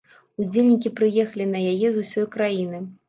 Удзельнікі прыехалі на яе з усёй краіны.